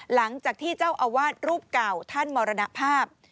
หลังจากที่เจ้าอาวาสรูปเก่าท่านมรณภาพ